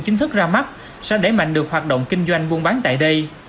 chính thức ra mắt sẽ đẩy mạnh được hoạt động kinh doanh buôn bán tại đây